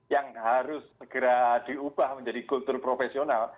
yang harus segera diubah menjadi kultur profesional